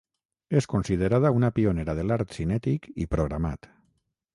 És considerada una pionera de l'art cinètic i programat.